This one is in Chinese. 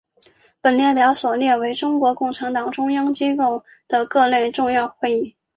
本列表所列为中国共产党中央机构的各类重要会议。